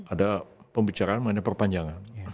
ada pembicaraan mengenai perpanjangan